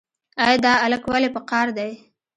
ای دا الک ولې په قار دی.